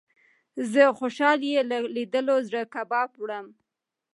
زه خوشال يې له ليدلو زړه کباب وړم